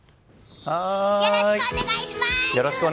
よろしくお願いします！